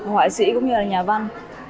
họa sĩ cũng như là nhà văn